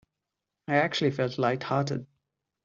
I actually felt light-hearted.